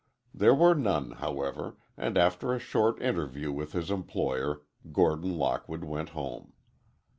There were none, however, and after a short interview with his employer, Gordon Lockwood went home.